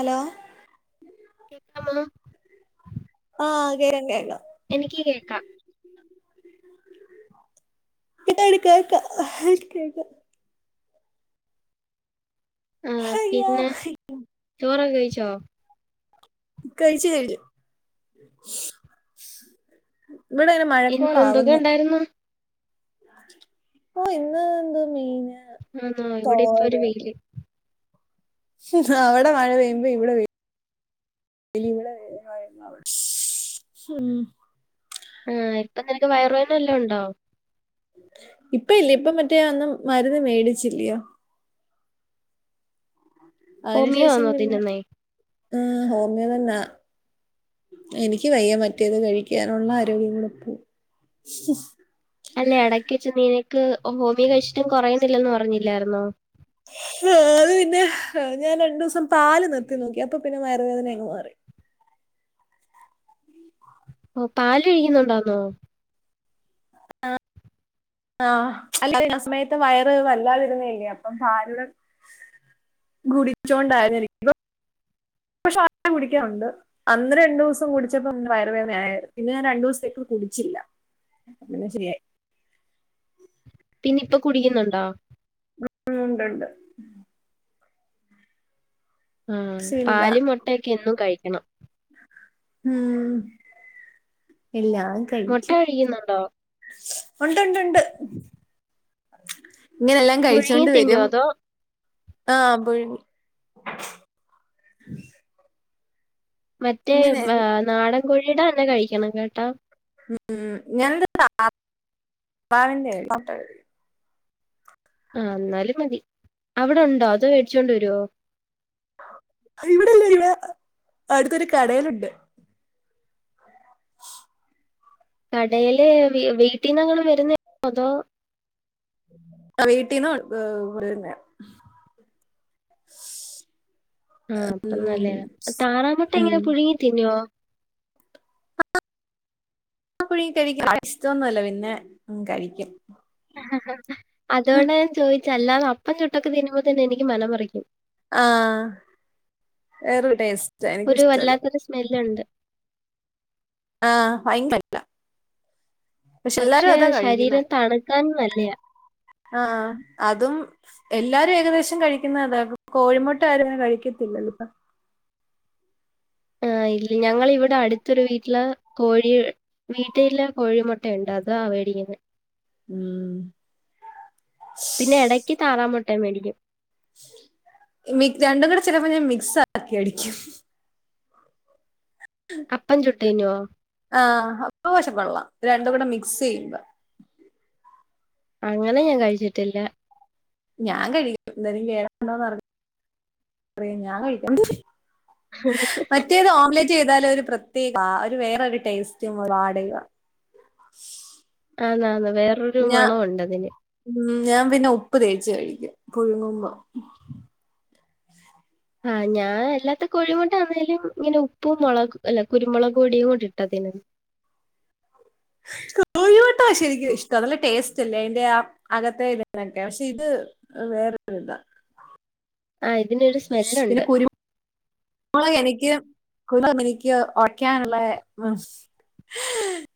ഹ കേക്കമൊ ആഹ് കേര കേക്കാം എനിക്ക് കേക്കാം ഇത്എടു ആ അയ്യോ പിന്നെ ചോറക്കെ കഴിച്ചോ കഴിച്ച കഴിഞ്ഞു ഇവിടെ ഇങനെ ഇന്ന് മഴക്കോള എന്തൊക്കെ ആവുന്നു ഉണ്ടായിരുന്നു ഓ ഇന്ന് എന്ത് മെയിന ആ നാ എവിടെ ഇപ്പരു വെയിൽ അവിടെ മഴ പെയ്യുമ്പോ ഇവിടെ വയി ഉം. ആഹ ഇപ്പൊ നിനക്ക് വയറു വേദന വല്ലാം ഉണ്ടോ ഇപ്പ ഇല്ല ഇപ്പ മറ്റേ ഒന്നും മരുന്ന് മേടിച്ചില്ലിയോ അതിനു ഹോമിയോ ശേഷം ആണോ പിന്നെ തിന്നുന്നേ ആ ഹോമിയോ മരുന്ന എനിക്ക് വയ്യൻ മറ്റേത് കഴിക്കാനുള്ള ആരോഗ്യം കൂടെ പോവും [unintelligible] ക്ക് ഹോമിയ കഴിച്ചിട്ടും കുറയുന്നില്ലന്ന് പറഞ്ഞില്ലായിരുന്നോ ഹ് ആ അത് പിന്നെ ഞാൻ രണ്ടു ദിവസം പാല് നിർത്തി നോക്കി അപ്പൊ പിന്നെ വയറു വേദന അങ്ങ് മാറി ഓ പാല് കഴിക്കുന്നുണ്ടോന്നോ ആഹ ആഹ് ച്ച് [unintelligible] അല്ല ആ സമയത്ത് വയറ് വല്ലാതിരുന്നയല്യോ അപ്പം പാലൂടെ ഗുടിച്ചോണ്ടായിന്നിരിക്കും വേ കുടിക്കാനുണ്ട് അന്ന് രണ്ടു ദിവസം കുടിച്ചപ്പോ വയറു വേദനയരുന്നു പിന്നെ ഞാൻ രണ്ടു ദിവസത്തേക്ക് കുടിച്ചില്ല അങ്ങനെ ശരിയായി [unintelligible] ഇപ്പൊ കുടിക്കുന്നുണ്ടോ ഉം ഉണ്ട്ഉണ്ട് ആഹ ശീല പാല് മുട്ടൊക്കെ എന്നും കഴിക്കണം ഉം എല്ലാം മുട്ട കഴിക്കും കഴിക്കുന്നുണ്ടോ ഉണ്ട്ഉണ്ട് ഉണ്ട് ഇങ്ങനെല്ലാം പുഴുങ്ങി കഴിച്ചോണ്ട് തിന്നോ വരും അതോ ആഹ് അപ്പോഴക്കും [unintelligible] മറ്റേ വ്വ നാടൻ കോഴീട തന്നെ കഴിക്കണം കേട്ടോ ഉം ഞൻന്റെ താ അ താറവിന്റെ കഴിച്ചിട്ട് ഉളളത് ആ എന്നാലും മതി അവിടെണ്ടോ അതോ മേടിച്ചൊണ്ട് വരുവോ ഇവിടെല്ലേ ഇവിടെ അടുത്തൊരു കടൽ ഉണ്ട് കടൽ വീ വീട്ടിന്നു തങ്ങള് വരുന്നുണ്ടോ അതോ ആ വീട്ടിനും കൊണ്ട് വരുന്നയ [unintelligible] ആഹ അപ്പോ ഉം നല്ലേയ താറാമുട്ട ഉം എങ്ങനെ പുഴുങ്ങി തിന്നുവോ ആ പുഴുങ്ങി കഴിക്കും ഇഷ്ടൊന്നുമല്ല പിന്നെ കഴിക്കും ഹഹ അതുകൊണ്ട് ഞാൻ ചോദിച്ച അല്ലാതെ അപ്പം ചുട്ടൊക്കെ തിരുമ്പോ തന്നെ എനിക്ക് മനം മറിക്കും ആ വേറൊരു ടേസ്റ്റാ. ഒരു എനിക്കിഷ്ടല്ല. വല്ലാത്തൊരു സ്മെല്ലുണ്ട്. ആഹ് ഭയ് അല്ല പക്ഷെ ശരീരം തണുക്കാനും നല്ലയ ആ അതും എല്ലാരും ഏകദേശം കഴിക്കുന്ന അതാണ് കോഴിമുട്ട ആരും അങ്ങനെ കഴിക്കത്തില്ല വെളുപ്പ [inaudible] മ്മ് ഞങ്ങൾ ഇവിടെ അടുത്തൊരു വീട്ടില് കോഴി വീട്ടില് കോഴിമുട്ടുണ്ട് അതാ ആ വിയവ് ഉം പിന്നെ ഇടയ്ക്ക് താറാമുട്ടാ മേടിക്കും മിക് രണ്ടും കൂടെ ചിലപ്പോ ഞാൻ മിക്സ് ആക്കി അടിക്കും അപ്പം ചുട്ട് തിന്നുവോ? ആഹ അപ്പ വിശപ്പ് ഉളള രണ്ട് കൂടെ മിക്സ് ചെയ്യുമ്പ അങ്ങനെ ഞാൻ കഴിച്ചിട്ടില്ല ഞാൻ കഴിക്കും അന്നരം കേട് ഉണ്ടോന്ന് അറിഞ്ഞയാം ഞാൻ കഴിക്ക മറ്റേത് ഓംലറ്റ് ചെയ്താല ഒരു പ്രത്യേക വേറരു ടേസ്റ്റും വാടുക ആന്ന ന്ന വേറൊരു മണുണ്ട് അതിന് ഉം, ഞാൻ പിന്നെ ഉപ്പ് തേച്ച് കഴിക്കും പുഴുങ്ങുമ്പം ആ ഞാൻ എല്ലാത്ത കോഴിമുട്ട ആന്നേലും ഇങ്ങനെ ഉപ്പും മുളക് അല്ല കുരുമുളക് പൊടിയും ഇട്ട്തിൽ അലോ കോഴ മുട്ട ശരിക്കും ഇഷ്ടം നല്ല ടേസ്റ്റ്ല്ലേ അതിന്റെ ആ അകത്തെ ഇതിനൊക്കെ പക്ഷെ ഇത് വേറെരുതാ ആഹ് ഇതിനൊരു പിന്നെ സ്മെല്ലുണ്ട് കുരുമ മൊളക് എനിക്ക് കു എനിക്ക് ഉറക്കാനുള്ള മ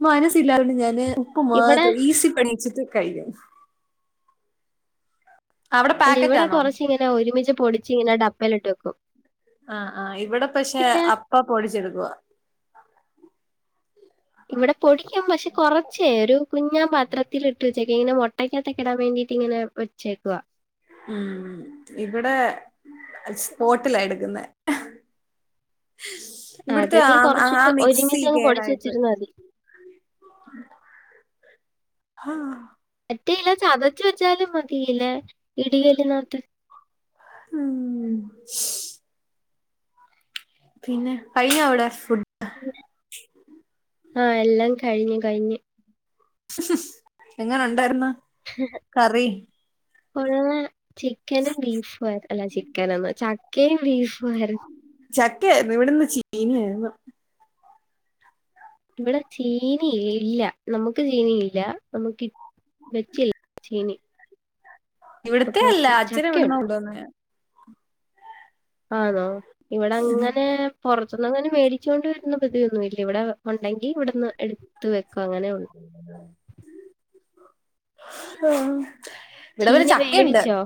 മനസില്ലതൊണ്ട് ഞാന് ഉപ്പ് ഇവിടെ മാത്ര ഈസി പണിച്ചിട്ട് കഴിക്കും അവിടെ അല്ല പാക്കറ്റ് ഇവിടെ ആണോ കൊറച്ച് ഇങ്ങനെ ഒരുമിച്ച് പൊടിച്ച് ഇങ്ങനെ ഡപ്പല ഇട്ട് വെക്കും ആ ആഹ് ഇവിടെ പക്ഷെ ഇല്ല അപ്പാ പൊടിച്ചെടുക്കവാ ഇവിടെ പൊടിക്കാൻ പക്ഷെ കൊറച്ചേ ഒരു കുഞ്ഞാ പാത്രത്തിലിട്ട് ഉച്ചക്കേനു മുട്ടക്കകൊത്തൊക്കെടാൻ വേണ്ടീട്ട് ഇങ്ങനെ വച്ചേക്കവാ ഉം ഇവിടെ സ്പോട്ടില എടുക്കുന്നെ അത് ഇവിടുത്തെ നീ ആ കൊറച്ച് ആ മിക്സി ഒരുമിച്ചങ്ങ് പൊടിച്ച് കേടായിട്ട് വെച്ചിരുന്നാ മതി ആ മറ്റേയില്ല ചതച്ച വെച്ചാലും മതിയില്ലേ ഇടിയലിനാത്ത് ഉം പിന്നെ കഴിഞ്ഞ അവിടെ ഫുഡ് ആ എല്ലാം കഴിഞ്ഞു കഴിഞ്ഞ് എങ്ങനെ ഉണ്ടായിരുന്ന കറി ഒ ചിക്കനും ബീഫും അല്ല ചിക്കന എന്നു ചക്കയും ബീഫും ആർ ക്കെരുന്നു ഇവിടെന്ന് ചീനായിരുന്നു ഇവിടെ ചീന ഇല്ല നമുക്ക് ചീനയില്ല നമുക്ക് വെച്ചിൽ ചീനി ഇവിടത്തെ അപ്പൊ അല്ല അച്ഛന ഇവിടന്ന ചക്കയുണ്ട്. കോണ്ടൂന്നെയാ ആണോ ഇവിടെ അങ്ങനെ പുറത്തുന്നും അങ്ങനെ മേടിച്ചുക കൊണ്ട് വരുന്ന പതിവൊന്നു ഇല്ല ഇവിടെ ഉണ്ടെങ്കി ഇവിടുന്ന് എടുത്ത വെക്കും അങ്ങനെ ഉള്ളൂ ആഹ ഇവിടെ ഒരു ചീനി ചക്കയുണ്ട് വേവിച്ചോ?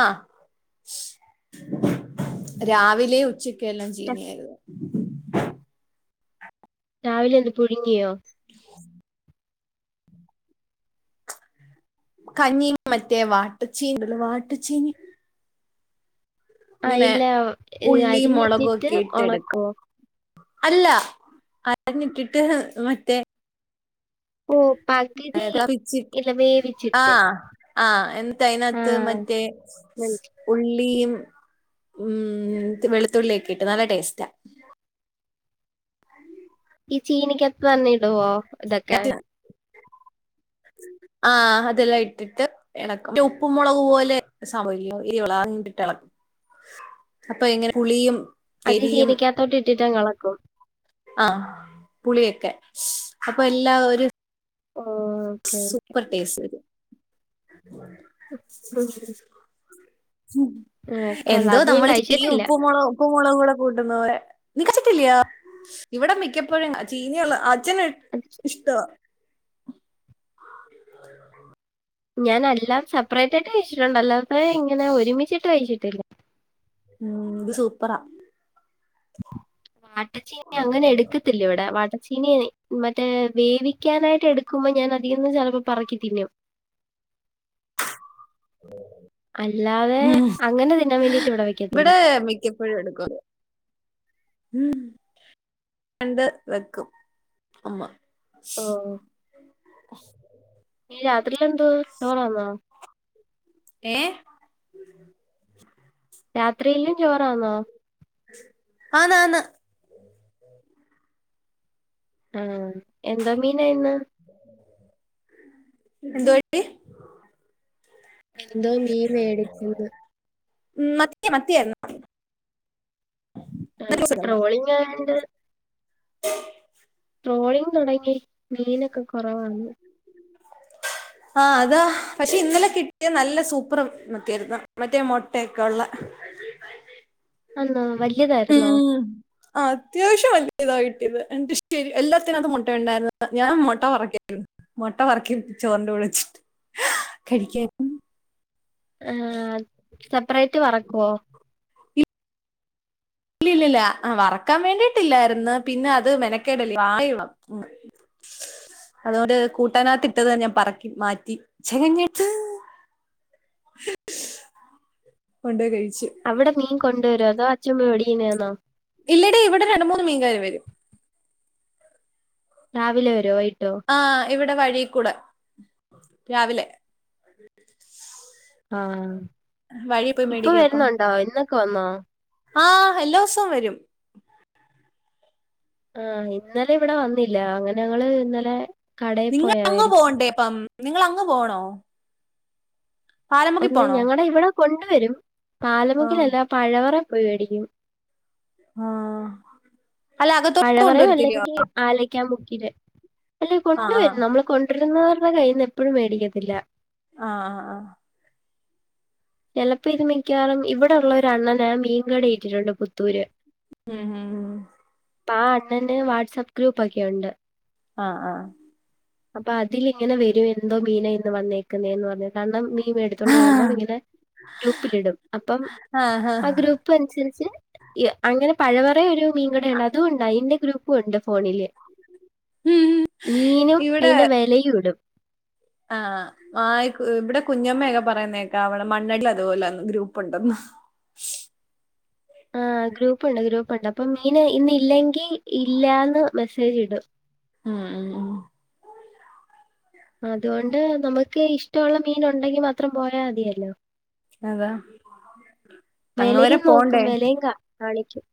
ആഹ രാവിലെ ഉച്ചക്കെല്ലാം ര ചീനിയായിരുന്നു [inaudible] രാവിലെ എന്ത് പുഴുങ്ങിയോ [inaudible] കഞ്ഞീ മറ്റേ വാട്ടച്ചീ ഉണ്ടല്ലോ വാട്ടച്ചീനി ആ ഇങ്ങനെ ഇല്ല ഏഹ്, ഉള്ളി മുളകും അരിഞ്ഞിട്ടിട്ട് ഒക്കെ ഇട്ട എടുക്കാം ഉണക്കുവോ? അല്ല അരഞ്ഞിട്ടിട്ട് മറ്റേ ഓ പകുതി ഇല്ല വേവിച്ചിട്ട്. ആഹ ആ എന്ന ആ അതിനതിനകത്ത് മറ്റ മറ്റേ മനസ്സി ഉള്ളിയും ഉം വെളുത്തുള്ളി ഒക്കെട്ട് നല്ല ടേസ്റ്റാ ഈ ചീനിക്ക് എത്ത പറഞ്ഞടുവോ ഇതൊക്കെ ആഹ് അതല്ല ഇട്ടിട്ട് ഇളക്കും ഉപ്പും മുളക് പോലെ സൗകര്യം ഇയുള്ളിട്ട് ഇളക്കും അപ്പൊ എങ്ങനെ പുളിയും അത് എരിയും ചീനക്കാത്തോട്ട് ഇട്ടിട്ടാ എളക്കും ആഹ പുളിയൊക്കെ അപ്പൊ എല്ലാ ഒരു ഓ ഓക്കെ. സൂപ്പർ ടേസ്റ്റ് [inaudible] ആഹ് കൊള്ളാം എന്തോ അത് ഞാൻ നമ്മള് ചെറിയ കഴിച്ചിട്ടില്ല ഉപ്പും മുളകും [unintelligible] കൂടെ കൂട്ടുന്നു നി കഴിച്ചിട്ടില്ലയോ ഇവിടെ മിക്കപ്പോഴും [unintelligible] അച്ഛന് അത് ഇഷ്ടം [inaudible] ഞാൻ എല്ലാം സെപ്പറേറ്റ് ആയിട്ട് കഴിച്ചിട്ടുണ്ട് അല്ലാതെ ഇങ്ങനെ ഒരുമിച്ചിട്ട് കഴിച്ചിട്ടില്ല ഉം- ഇത് സൂപ്പറാ വാട്ടച്ചീനി അങ്ങനെ എടുക്കത്തില്ല ഇവിടെ [unintelligible] നിയെ മറ്റേ വേവിക്കാനായിട്ട് എടുക്കുമ്പോ ഞാൻ അതിന്ന് ചെിലപ്പോ പെറുക്കി തിന്നും [inaudible] അല്ലാതെ ഉം അങ്ങനെ തിന്നാൻ വേണ്ടിട്ട് ഇവിടെ വെക്കത്തില്ല [inaudible] ഹ്മ്മ് രണ്ട് വെക്കും അമ്മ ഓ- ഈ രാത്രിയിലെന്തോ ചോറന്നോ ഏ രാത്രിയിലും ചോറാന്നോ ആന്ന് ആന്ന് ആ എന്തോ മീനാ ഇന്ന് [unintelligible] എന്തോ മീൻ മേടിച്ചത് ഉം മത്തിയ മത്തിയ ആ ഇപ്പൊ ട്രോളിങ് ആണ്ട്- ട്രോളിങ് തുടങ്ങി മീനൊക്കെ കുറവാണ് ആഹ് അതാ- പക്ഷെ ഇന്നലെ കിട്ടിയ നല്ല സൂപ്പർ മതതിയായിരുന്നു മറ്റേ മുട്ടയൊക്കെ ഉള്ള [inaudible] വലിയതായിരുന്നോ ഉം- അത്യാവശ്യവല്ലെ ഇതാ കിട്ടിയത്- എനിക്കഷ്ട്ടാ എല്ലാത്തിനകത്തും മുട്ട ഉണ്ടായിരുന്ന- ഞാൻ മുട്ട വറുക്കാരുന്നു മുട്ട വറുക്കേ രുന്നു ചോറിൻ്റെ കൂടെ വെച്ചിട്ട് കഴിക്കും ആ.. സെപ്പറേറ്റ് വറക്കുവോ ഇല്ലില്ല വറക്കാൻ വേണ്ടിട്ടില്ലായിരുന്നു പിന്നെ അത് മെനക്കേടല്ലെ [unintelligible] [inaudible] അതുകൊണ്ട് ഒരു കൂട്ടാനകത്തിട്ടത് ഞാൻ പറക്കി മാറ്റി ചെകഞ്ഞെട്ത്ത് [inaudible] കൊണ്ടായ് കഴിച്ച് അവിടെ മീൻ കൊണ്ട് വരോ അതോ അച്ഛൻ മേടിക്കുന്നത് ആണോ ഇല്ലടി ഇവിടെ രണ്ട് മൂന്ന് മീൻകാര് വരും രാവിലെ വരോ വൈ ആഹ ഇവിടെ വഴീക്കൂടെ രാവിലെ ആഹ- വഴി പോയി ഇപ്പൊ വരുന്നുണ്ടോ, ഇന്നൊക്കെ വന്നോ ആഹ്- എല്ലാ ഊസും വരും ആഹ് ഇന്നലെ ഇവിടെ വന്നില്ല അങ്ങനങ്ങള് ഇന്നലെ കടേ പോയാ വേടിച്ചെ നിങ്ങളങ്ങുപോണ്ടേപ്പം, നിങ്ങളങ്ങു പോണോ പാലമുക്കി ഒന്ന് പോണോ ഞങ്ങള ഇവിടെ കൊണ്ടുവരും, ആ പാലമുക്കിലല്ല പഴവറ പോയി വേടിക്കും ആ പഴവറ അല്ലെങ്കിൽ ആലി ക്കാ മുക്കില്. അല്ലെ ആഹ് കൊണ്ടുവരും നമ്മള് കൊണ്ട്രുന്നോരുടെ കയ്യിന്ന് എപ്പഴും മേടിക്കത്തില്ല ആ ആഹ് ആ ചിലപ്പോ ഇത് മിക്കവാറും ഇവിടെ ഉള്ള ഒരു അണ്ണന് മീൻ കട ഇട്ടിട്ടുണ്ട് പുത്തൂര് ഹ് ഹ് ഹ് പ്പാ അണ്ണന് വാട്സപ്പ് ഗ്രൂപ്പോക്കെ ഉണ്ട് ആ ആ അപ്പൊ അതിൽ ഇങ്ങനെ വരും, എന്തോ മീന ഇന്ന് വന്നേക്കുന്നേന്ന് പറഞിട്ട് കാരണം മീ എടുതോണ്ട് വരുമ്പോ ഇങ്ങനെ ഗ്രൂപ്പിലിടും അപ്പം ആഹ് ആഹ് ആ ഗ്രൂപ്പ് അനുസരി അനുസരിച്ച് അങ്ങനെ പഴവറ ഒരു മീൻകടയണ്ട്, അതും ഉണ്ട് അയിന്റെ ഗ്രൂപ്പും ഉണ്ട് ഫോണില് ഉം മീനും അയിന്റെ വെലയുടും ആ ആയ് ഇവിടെ കുഞ്ഞമ്മയൊക്കെ പറയുന്നത്കേക്കാ അവിടെ മണ്ണടിൽ അതു പോലാന്ന് ഗ്രൂപ്പ് ഉണ്ടന്നു ആ ആ ഗ്രൂപ്പുണ്ട് ഗ്രൂപ്പുണ്ട് അപ്പൊ മീൻ ഇന്ന് ഇല്ലെങ്കി ഇല്ലാന്ന് മെസ്സേജ് ഇടും മ് മ് മ്മ് അതുകൊണ്ട്, നമുക്ക് ഇഷ്ടമുള്ള മീൻ ഉണ്ടെങ്കി മാത്രം പോയാൽ മതിയല്ലോ അതാ അങ്ങ് വരെ വെലയും നോക്കും പോണ്ടേ വെലയും കാ കാണിക്കും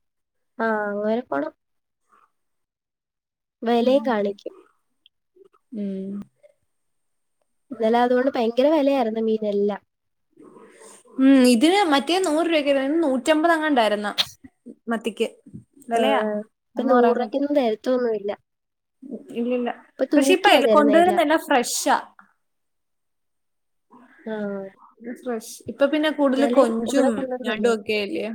വാങാനും പോണം വെലയും കാണിക്കും മ്മ് സമിതല്ല ഉം ഇതിന് മറ്റേ നൂറ് രൂപക്കില്ലെ ഇന്ന് നൂറ്റമ്പതങ്ങാണ്ടായിരുന്നു മ് മത്തിക്ക് വിലയാ ആഹ ഇപ്പൊ അമ്മ പറയുന്ന നൂറുരൂപക്കൊന്നും തരത്തൊന്നുല്ല ഇല്ലല്ല പക്ഷെ തരുന്നെ എല്ലാം ഇപ്പഴേകൊണ്ടുവരുന്നെല്ലാം ഫ്രഷാ ആഹ് മ്.. ഫ്രഷ് ഇപ്പൊ പിന്നെ കൂടുതലും ഇന്നലെയും കൊഞ്ചും ഇവിടെ കൊണ്ടുവന്നല്ലോ ഞണ്ടോക്കെല്ലെയോ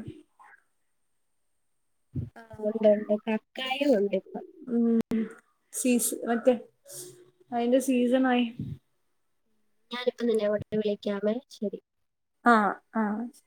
ആ ഉണ്ട് ഉണ്ട് കക്കായു ഉണ്ടിപ്പൊ ഉമ് സീസ് മറ്റേ ശ് അയ്ന്റെ സീസണായി ഞാനിപ്പ [unintelligible] വിളിക്കാവെ ശരി ആ ആ ശ്